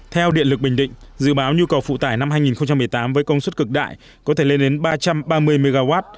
theo điện lực bình định dự báo nhu cầu phụ tải năm hai nghìn một mươi tám với công suất cực đại có thể lên đến ba trăm ba mươi mw